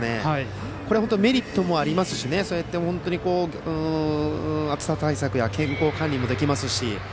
これはメリットもありますしそうやって、暑さ対策や健康管理もできますし。